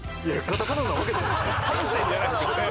ハンセンじゃないですからね。